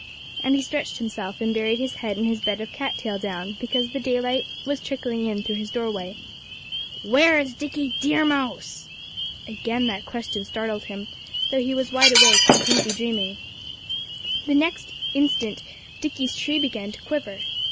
And he stretched himself, and buried his head in his bed of cat tail down, because the daylight was trickling in through his doorway. "Where's Dickie Deer Mouse?" Again that question startled him, though he was wide awake, and couldn't be dreaming. The next instant Dickie's tree began to quiver.